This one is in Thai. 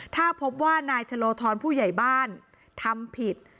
ถ้าพบว่านายชะโลธรผู้ใหญ่บ้านทำผิด